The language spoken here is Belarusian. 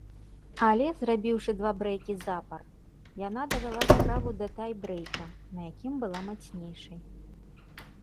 Але, зрабіўшы два брэйкі запар, яна давяла справу да тай-брэйка, на якім была мацнейшай.